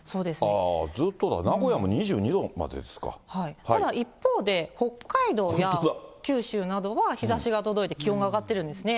ずっとだ、名古屋も２２度まただ一方で、北海道や九州などは日ざしが届いて気温上がってるんですね。